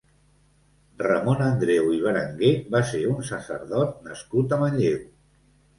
Ramon Andreu i Berenguer va ser un sacerdot nascut a Manlleu.